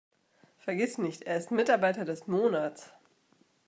Vergiss nicht, er ist Mitarbeiter des Monats!